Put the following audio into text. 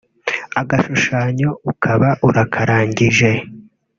agashushanyo ukaba urakarangije